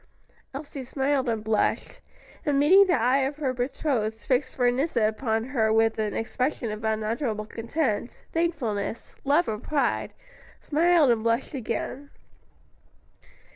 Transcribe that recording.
Elsie smiled and blushed, and meeting the eye of her betrothed fixed for an instant upon her with an expression of unutterable content, thankfulness, love and pride, smiled and blushed again.